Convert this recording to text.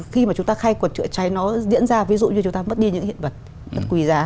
khi mà chúng ta khai quật chữa cháy nó diễn ra ví dụ như chúng ta mất đi những hiện vật quỳ giá